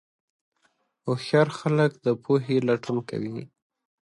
هوښیار خلک د پوهې لټون کوي.